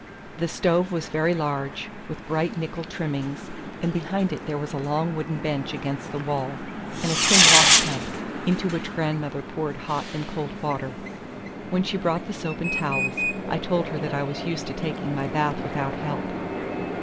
The stove was very large, with bright nickel trimmings, and behind it there was a long wooden bench against the wall, and a tin washtub, into which grandmother poured hot and cold water. When she brought the soap and towels, I told her that I was used to taking my bath without help.